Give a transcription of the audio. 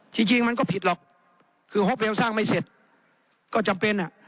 ที่จริงมันก็ผิดหรอกคือฮอปเวลล์สร้างไม่เสร็จก็จำเป็น